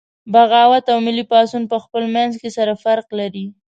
بغاوت او ملي پاڅون پخپل منځ کې سره فرق لري